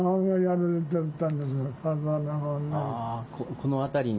この辺りに？